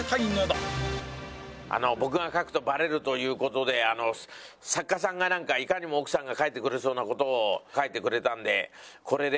僕が書くとバレるという事で作家さんがいかにも奥さんが書いてくれそうな事を書いてくれたんでこれで。